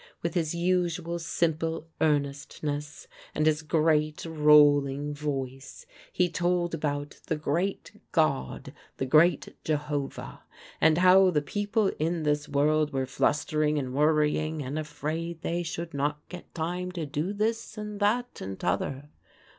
With his usual simple earnestness, and his great, rolling voice, he told about "the Great God the Great Jehovah and how the people in this world were flustering and worrying, and afraid they should not get time to do this, and that, and t'other.